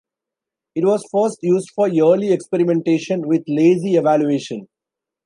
It was first used for early experimentation with lazy evaluation.